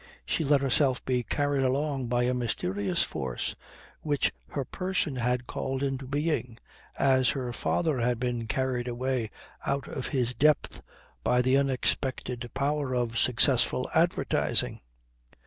She let herself be carried along by a mysterious force which her person had called into being, as her father had been carried away out of his depth by the unexpected power of successful advertising.